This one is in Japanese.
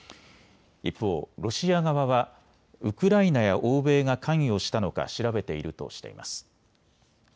一方、ロシア側はウクライナや欧米が関与したのか調べているとしています。